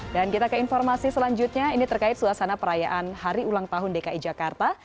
dan kita ke informasi selanjutnya ini terkait suasana perayaan hari ulang tahun dki jakarta